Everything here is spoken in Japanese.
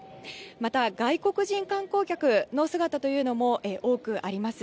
また、外国人観光客の姿というのも多くあります。